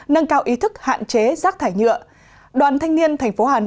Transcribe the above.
nâng cao ý thức hạn chế rác thải nhựa đoàn thanh niên tp hà nội đã triển khai mô hình